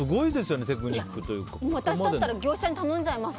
私だったら業者に頼んじゃいます。